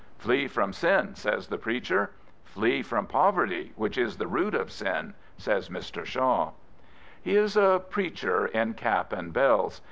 " Flee from sin," says the preacher. " Flee from poverty, which is the root of sin," says Mr. Shaw. He is a preacher in cap and bells.